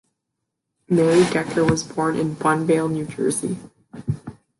Mary Decker was born in Bunnvale, New Jersey.